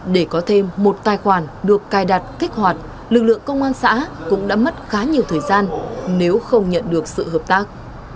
để có thêm một tài khoản được cài đặt kích hoạt lực lượng công an xã cũng đã mất khá nhiều thời gian nếu không nhận được sự hợp tác